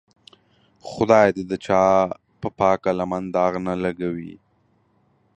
خدای دې د چا پاکه لمن داغ نه لګوي.